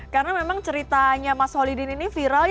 karena memang ceritanya mas holy dean ini viral